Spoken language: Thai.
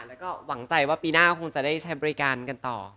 แล้วก็หวังใจว่าปีหน้าคงจะได้ใช้บริการกันต่อ